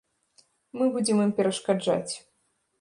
Мы будзем ім перашкаджаць.